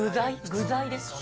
具材ですか？